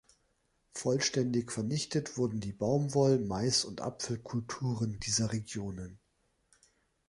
Vollständig vernichtet wurden die Baumwoll-, Mais-, und Apfelkulturen dieser Regionen.